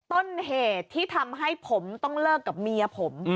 ต้นเหตุที่ทำให้ผมต้องเลิกกับเมียผม